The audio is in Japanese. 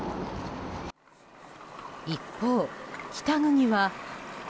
一方、北国は。